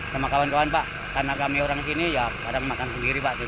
sama kawan kawan pak karena kami orang sini ya kadang makan sendiri pak di rumah